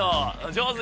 上手！